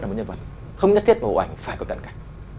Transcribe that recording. vào những nhân vật không nhất thiết bộ ảnh phải có cận cảnh